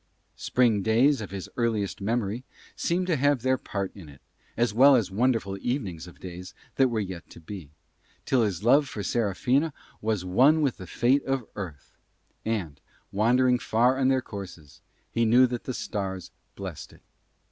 Spring days of his earliest memory seemed to have their part in it, as well as wonderful evenings of days that were yet to be, till his love for Serafina was one with the fate of earth; and, wandering far on their courses, he knew that the stars blessed it.